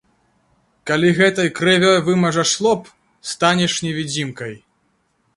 Калі гэтай крывёй вымажаш лоб, станеш невідзімкай.